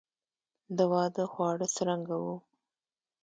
د واده خواړه څرنګه وو؟